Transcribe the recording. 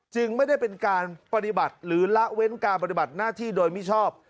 ไม่ได้เป็นการปฏิบัติหรือละเว้นการปฏิบัติหน้าที่โดยมิชอบ